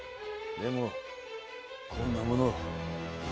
でもこんなもの。